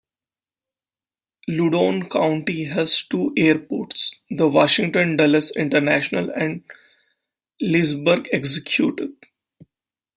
Loudoun County has two airports: the Washington Dulles International and Leesburg Executive.